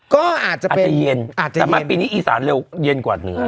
ก็อาจจะเป็นอาจจะเย็นอาจจะเย็นแต่มาปีนี้อีสานเร็วเย็นกว่าเหนือ